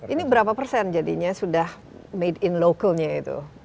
ini berapa persen jadinya sudah made in localnya itu